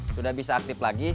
sudah bisa aktif lagi